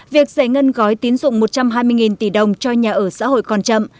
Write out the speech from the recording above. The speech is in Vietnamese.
việc giải ngân gói tín dụng một trăm hai mươi tỷ đồng cho nhà ở xã hội còn chậm